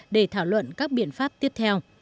để thảo luận các biện pháp tiếp theo